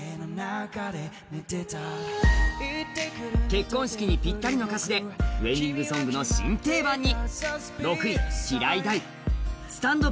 結婚式にぴったりの歌詞でウエディングソングの新定番に。